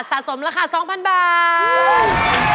สะสมราคา๒๐๐๐บาท